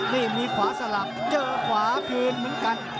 นี่มีขวาสลับเจอขวาคืนเหมือนกัน